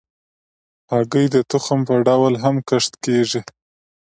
هګۍ د تخم په ډول هم کښت کېږي.